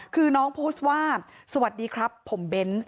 คือน้องโพสต์ว่าสวัสดีครับผมเบ้น